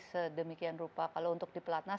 sedemikian rupa kalau untuk di pelatnas